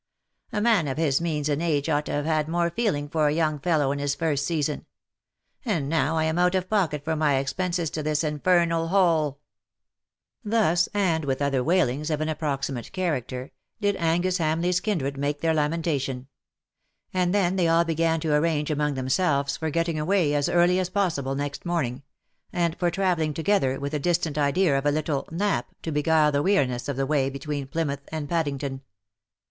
A man of his means and age ought to have had more feeling for a young fellow in his first season. And now I am out of pocket for my expenses to this infernal hole."' Thus, and with other wailings of an approximate character, did Angus HamleigVs kindred make their lamentation : and then they all began to arrange among themselves for getting away as early as possible next morning — and for travelling together, with a distant idea of a little " Nap'" to beguile the weariness of the way between Plymouth and Paddington.